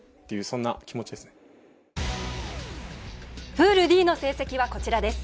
プールＤの成績はこちらです。